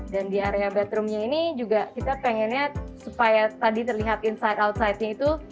dan di area bedroomnya ini juga kita pengennya supaya tadi terlihat inside outsidenya itu